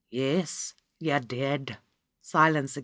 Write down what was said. "Yes, you did." Silence again.